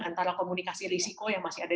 antara komunikasi risiko yang masih ada